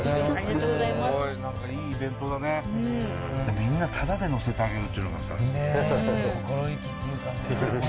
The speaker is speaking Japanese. みんなタダで乗せてあげるっていうのがさすごいねえ